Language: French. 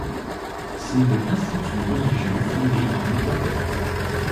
C'est le institut religieux fondé en Équateur.